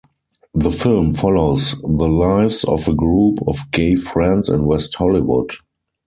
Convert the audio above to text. The film follows the lives of a group of gay friends in West Hollywood.